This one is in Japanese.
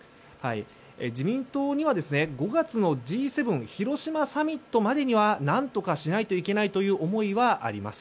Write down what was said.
自民党には５月のＧ７広島サミットまでには何とかしないといけないという思いはあります。